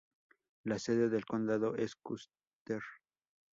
La sede del condado es Custer.